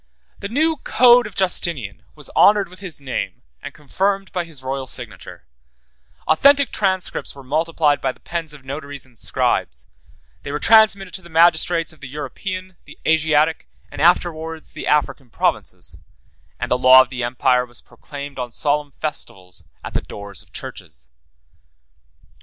The new Code of Justinian was honored with his name, and confirmed by his royal signature: authentic transcripts were multiplied by the pens of notaries and scribes; they were transmitted to the magistrates of the European, the Asiatic, and afterwards the African provinces; and the law of the empire was proclaimed on solemn festivals at the doors of churches.